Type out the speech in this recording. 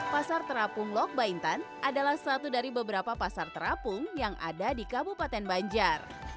pasar terapung lok baintan adalah satu dari beberapa pasar terapung yang ada di kabupaten banjar